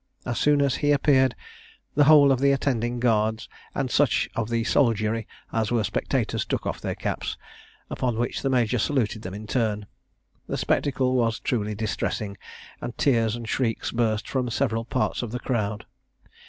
As soon as he appeared, the whole of the attending guards, and such of the soldiery as were spectators, took off their caps; upon which the major saluted them in turn. The spectacle was truly distressing, and tears and shrieks burst from several parts of the crowd.